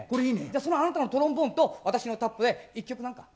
じゃあそのあなたのトロンボーンと私のタップで１曲なんか」